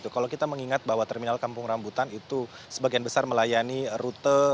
kalau kita mengingat bahwa terminal kampung rambutan itu sebagian besar melayani rute